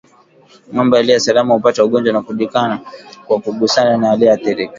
Ngombe aliye salama hupata ugonjwa wa kujikuna kwa kugusana na aliyeathirika